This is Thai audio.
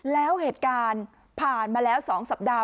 แล้วเหตุการณ์ผ่านมาแล้ว๒สัปดาห์